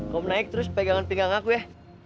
kamu naik terus pegangan pegang aku ya